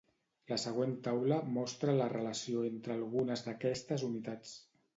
La següent taula mostra la relació entre algunes d'aquestes unitats.